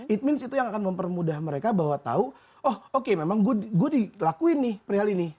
it means itu yang akan mempermudah mereka bahwa tahu oh oke memang gue dilakuin nih perihal ini